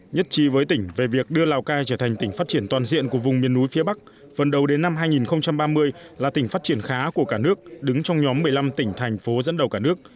nhất trí với tỉnh về việc đưa lào cai trở thành tỉnh phát triển toàn diện của vùng miền núi phía bắc phần đầu đến năm hai nghìn ba mươi là tỉnh phát triển khá của cả nước đứng trong nhóm một mươi năm tỉnh thành phố dẫn đầu cả nước